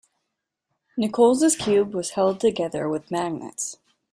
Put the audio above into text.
Nichols's cube was held together with magnets.